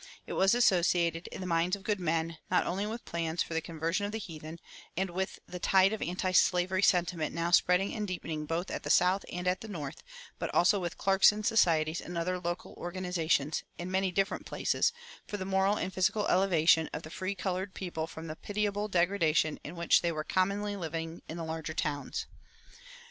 It was associated, in the minds of good men, not only with plans for the conversion of the heathen, and with the tide of antislavery sentiment now spreading and deepening both at the South and at the North, but also with "Clarkson societies" and other local organizations, in many different places, for the moral and physical elevation of the free colored people from the pitiable degradation in which they were commonly living in the larger towns.